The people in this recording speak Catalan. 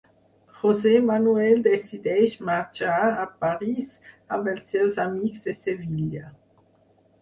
José Manuel decideix marxar a París amb els seus amics de Sevilla.